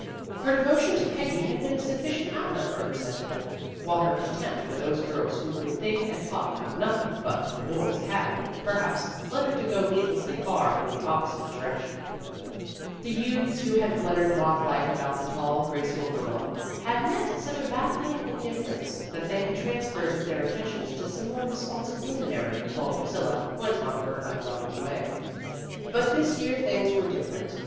Her devo tion to Peggy had been a sufficient outlet for her sentiment, while her contempt for those girls who could think and talk of nothing but the "boys" had, perhaps, led her to go need lessly far in the opposite direction. The 59 60 PEGGY RAYMOND'S WAY youths who had fluttered mothlike about the tall, graceful girl had met such a baffling in difference that they had transferred their at tentions to some more responsive luminary, while Priscilla went on her way unruffled. But this year things were different.